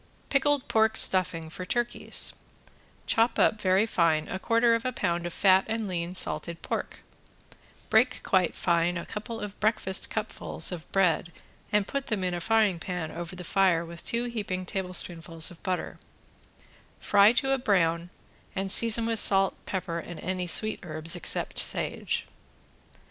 ~PICKLED PORK STUFFING FOR TURKEYS~ Chop up very fine a quarter of a pound of fat and lean salted pork, break quite fine a couple of breakfast cupfuls of bread and put them in a frying pan over the fire with two heaping tablespoonfuls of butter, fry to a brown and season with salt, pepper and any sweet herbs except sage.